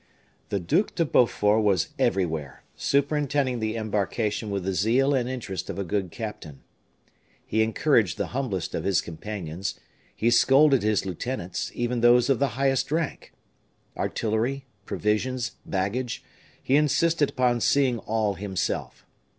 The Duc de Beaufort was everywhere, superintending the embarkation with the zeal and interest of a good captain. He encouraged the humblest of his companions; he scolded his lieutenants, even those of the highest rank. Artillery, provisions, baggage, he insisted upon seeing all himself.